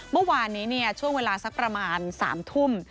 เมื่อวานนี้ช่วงเวลาสักประมาณ๓ทุ่ม